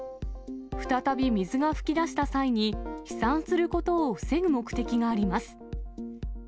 再び水が噴き出した際に、飛散することを防ぐ目的があります。